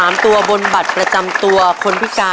ไม่ค่ามากเลยจ้ะ